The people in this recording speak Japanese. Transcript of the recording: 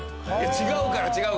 違うから違うから。